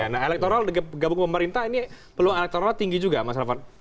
nah elektoral gabung pemerintah ini peluang elektoral tinggi juga mas raffan